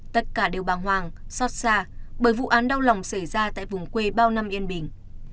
tất cả đều bàng hoàng xót xa bởi vụ án đau lòng xảy ra tại vùng quê bao năm yên bình